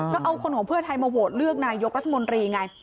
ก็เอาคนของเพื่อไทยมาโหวตเลือกนายกรัฐมนตรีไง